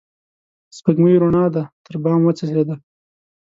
سپوږمۍ روڼا دي تر بام وڅڅيده